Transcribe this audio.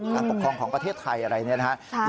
การปกครองของประเทศไทยอะไรอย่างนี้นะฮะ